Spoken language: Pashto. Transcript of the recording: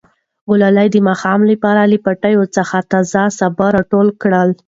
ګلالۍ د ماښام لپاره له پټي څخه تازه سابه ټول کړل.